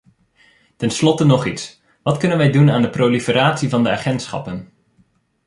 Tenslotte nog iets, wat kunnen wij doen aan de proliferatie van de agentschappen?